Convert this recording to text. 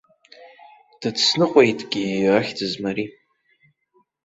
Дацныҟәеитгьы ахьӡызма ари!